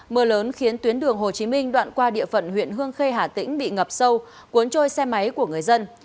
mưa lớn khiến tuyến đường hồ chí minh đoạn qua địa phận huyện hương khê hà tĩnh bị ngập sâu cuốn trôi xe máy của người dân